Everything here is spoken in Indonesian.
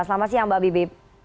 selamat siang mbak bivit